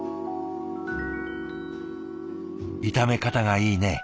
「炒め方がいいね！」